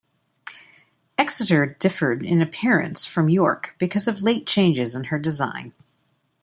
"Exeter" differed in appearance from "York" because of late changes in her design.